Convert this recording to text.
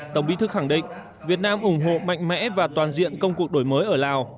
tổng bí thư khẳng định việt nam ủng hộ mạnh mẽ và toàn diện công cuộc đổi mới ở lào